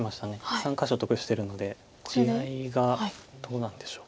３か所得してるので地合いがどうなんでしょう。